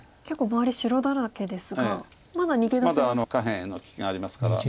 結構周り白だらけですがまだ逃げ出せますか。